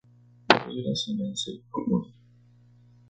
Por desgracia, nadie se opone.